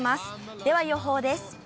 では予報です。